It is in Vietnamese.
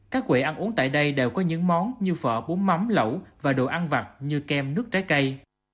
các quệ ăn uống tại đây đều có những món như phở bún mắm lẩu và đồ ăn vặt như kem nước trái cây